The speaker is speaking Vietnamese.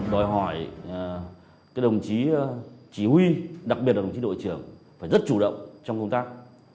đòi hỏi các đồng chí chỉ huy đặc biệt là đồng chí đội trưởng phải rất chủ động trong công tác